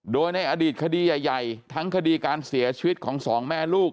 โดยในอดีตคดีใหญ่ทั้งคดีการเสียชีวิตของสองแม่ลูก